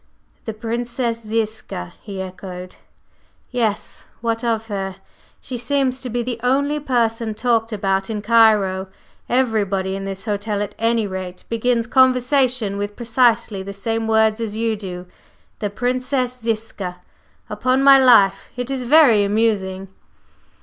"The Princess Ziska," he echoed, "Yes? What of her? She seems to be the only person talked about in Cairo. Everybody in this hotel, at any rate, begins conversation with precisely the same words as you do, 'the Princess Ziska!' Upon my life, it is very amusing!"